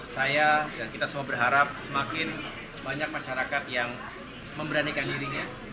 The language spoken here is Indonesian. saya dan kita semua berharap semakin banyak masyarakat yang memberanikan dirinya